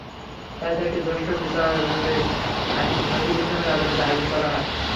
তাই তাঁকে জ্যেষ্ঠ বিচারিক হাকিম শহীদুল ইসলামের আদালতে হাজির করা হয়।